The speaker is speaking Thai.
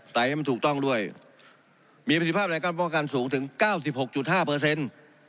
ให้มันถูกต้องด้วยมีประสิทธิภาพในการป้องกันสูงถึงเก้าสิบหกจุดห้าเปอร์เซ็นต์